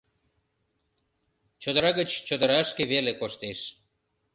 - Чодыра гыч чодырашке веле коштеш.